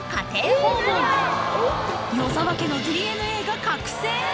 ［与沢家のＤＮＡが覚醒］